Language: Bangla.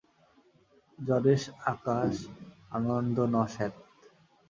যদেষ আকাশ আনন্দো ন স্যাৎ।